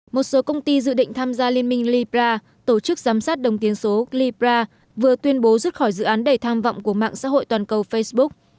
một số công ty dự định tham gia liên minh libra tổ chức giám sát đồng tiến số libra vừa tuyên bố rút khỏi dự án đầy tham vọng của mạng xã hội toàn cầu facebook